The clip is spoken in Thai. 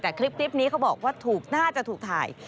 แต่คลิปนี้เขาบอกว่าถูกน่าจะถูกถ่าย